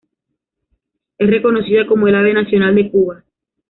Es reconocida como el ave nacional de Cuba.